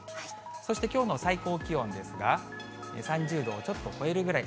そしてきょうの最高気温ですが、３０度をちょっと超えるぐらい。